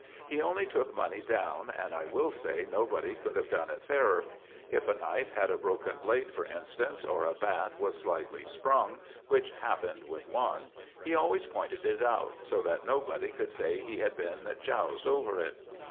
He only took money down, and I will say nobody could have done it fairer. If a knife had a broken blade, for instance, or a bat was slightly sprung, which happened with one, he always pointed it out, so that nobody could say he had been choused over it.